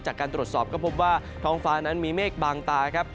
จากการตรวจสอบก็พบว่าท้องฟ้านั้นมีเมฆบางตาครับ